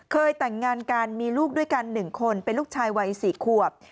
เคยแต่งงานกันมีลูกด้วยกัน๑คนเป็นลูกชายวัย๔ขวบ